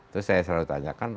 terus saya selalu tanyakan